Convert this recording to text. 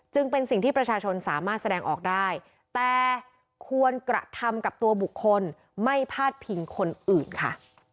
จึงเป็นสิ่งที่ประชาชนสามารถแสดงออกได้แต่ควรกระทำกับตัวบุคคลไม่พาดพิงคนอื่นค่ะ